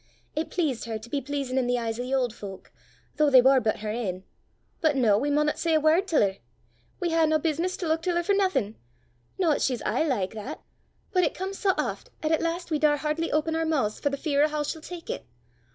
It pleased her to be pleasin' i' the eyes o' the auld fowk, though they war but her ain. But noo we maunna say a word til her. We hae nae business to luik til her for naething! No 'at she's aye like that; but it comes sae aft 'at at last we daur hardly open oor moo's for the fear o' hoo she'll tak it.